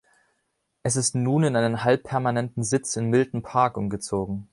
Es ist nun in einen halbpermanenten Sitz in Milton Park umgezogen.